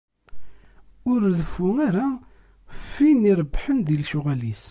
Ur reffu ara ɣef win irebbḥen di lecɣal-is.